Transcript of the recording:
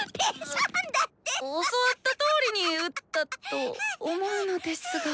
教わったとおりにうったと思うのですが。